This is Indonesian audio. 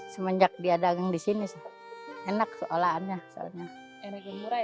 semangat dia dagang di sini sih enak seolah olahnya